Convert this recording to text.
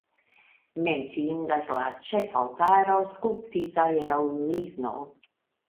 Menciindas la ĉefaltaro skulptita el ligno.